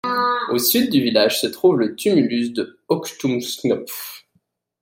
Au sud du village, se trouve le tumulus de Hochtumsknopf.